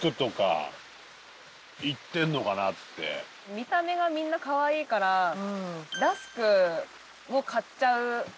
見た目がみんな可愛いからラスクを買っちゃう。